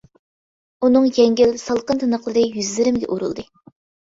ئۇنىڭ يەڭگىل، سالقىن تىنىقلىرى يۈزلىرىمگە ئۇرۇلدى.